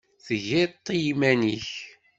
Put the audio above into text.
Tgiḍ-t i yiman-nnek?